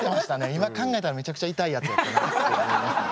今考えたらめちゃくちゃ痛いやつやったなって思いますね。